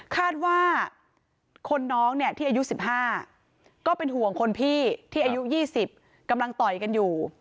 คาดว่าคนน้องเนี่ยที่อายุ๑๕ก็เป็นห่วงคนพี่ที่อายุ๒๐กำลังต่อยกันอยู่